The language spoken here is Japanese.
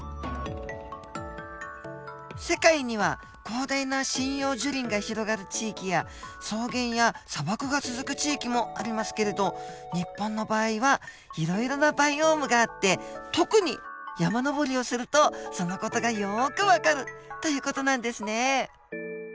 世界には広大な針葉樹林が広がる地域や草原や砂漠が続く地域もありますけれど日本の場合はいろいろなバイオームがあって特に山登りをするとその事がよくわかるという事なんですね。